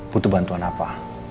butuh bantuan apa